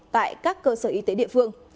tại các cơ sở y tế địa phương